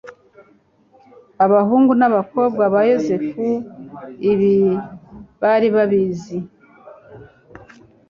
Abahungu n'abakobwa ba Yosefu ibi bari babizi,